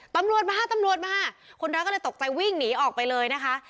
ตำรวจมาตำรวจมาคนร้ายก็เลยตกใจวิ่งหนีออกไปเลยนะคะ